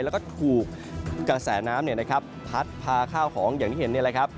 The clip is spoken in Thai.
แล้วก็ถูกกระแสน้ำพัดพาข้าวของอย่างที่เห็นนี่แหละครับ